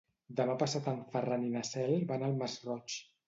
Demà passat en Ferran i na Cel van al Masroig.